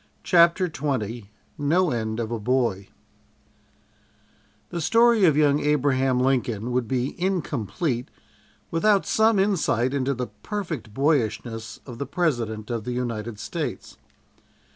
CHAPTER XX "NO END OF A BOY" "THE STORY OF YOUNG ABRAHAM LINCOLN" would be incomplete without some insight into the perfect boyishness of the President of the United States.